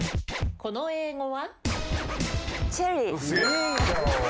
この英語は？